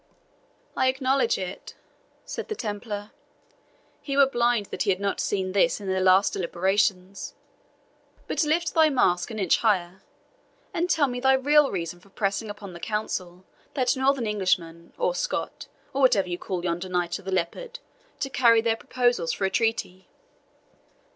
"I acknowledge it," said the Templar; "he were blind that had not seen this in their last deliberations. But lift yet thy mask an inch higher, and tell me thy real reason for pressing upon the Council that Northern Englishman, or Scot, or whatever you call yonder Knight of the Leopard, to carry their proposals for a treaty?"